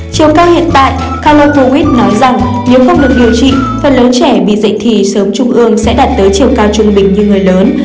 chiều cao hiện tại carowit nói rằng nếu không được điều trị phần lớn trẻ bị dạy thì sớm trung ương sẽ đạt tới chiều cao trung bình như người lớn